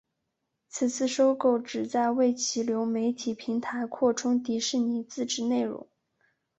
此次收购旨在为其流媒体平台扩充迪士尼自制内容。